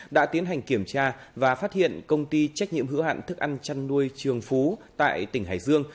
đã tiến hành kiểm tra và phát hiện công ty trách nhiệm hữu hạn thức ăn chăn nuôi trường phú tại tỉnh hải dương